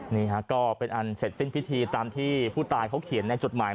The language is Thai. นี่ฮะก็เป็นอันเสร็จสิ้นพิธีตามที่ผู้ตายเขาเขียนในจดหมาย